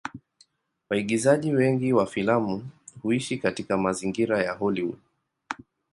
Waigizaji wengi wa filamu huishi katika mazingira ya Hollywood.